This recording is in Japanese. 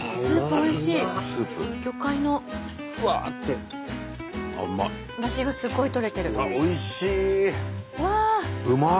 おいしい！